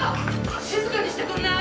静かにしてくれない？